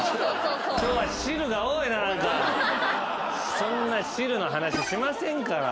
そんな汁の話しませんから。